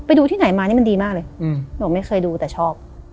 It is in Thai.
ไปดูที่ไหนมานี่มันดีมากเลยหนูไม่เคยดูแต่ชอบ